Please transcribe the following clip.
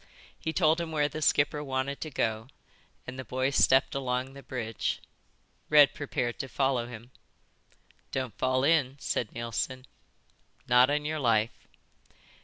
He told him where the skipper wanted to go, and the boy stepped along the bridge. Red prepared to follow him. "Don't fall in," said Neilson. "Not on your life."